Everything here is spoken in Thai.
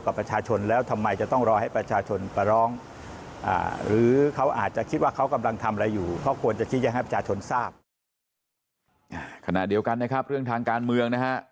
ขณะเดียวกันเรื่องทางการเมือง